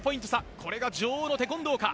これが女王のテコンドーか。